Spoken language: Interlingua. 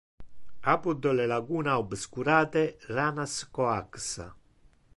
Apud le laguna obscurate ranas coaxa.